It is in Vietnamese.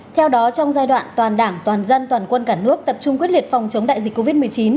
theo đó trong giai đoạn toàn đảng toàn dân toàn quân cả nước tập trung quyết liệt phòng chống đại dịch covid một mươi chín